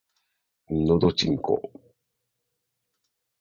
のどちんこぉ